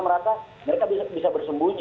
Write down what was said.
karena mereka bisa bersembunyi